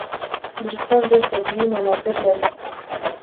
نورستان ډېر طبیعي مناظر لري.